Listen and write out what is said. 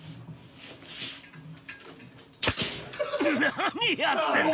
何やってんだ！